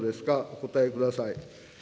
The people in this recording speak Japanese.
お答えください。